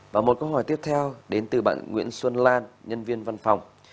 và một câu hỏi tiếp theo đến từ bạn nguyễn xuân lan nhân viên văn phòng